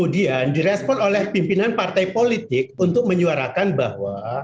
dan direspon oleh pimpinan partai politik untuk menyuarakan bahwa